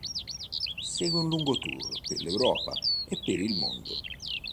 Segue un lungo tour per l'Europa e per il Mondo.